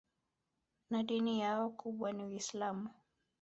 Na dini yao kubwa ni Uislamu